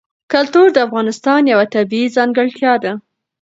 کلتور د افغانستان یوه طبیعي ځانګړتیا ده.